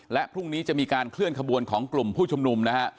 และพรุ่งนี้จะมีการเคลื่อนขบวนของกลุ่มผู้ชุมนุมนะฮะ